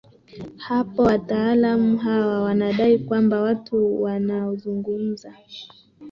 hapo Wataalamu hawa wanadai kwamba watu wanaozungumza